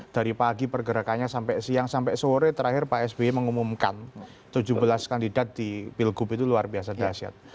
dari pagi pergerakannya sampai siang sampai sore terakhir pak sby mengumumkan tujuh belas kandidat di pilgub itu luar biasa dahsyat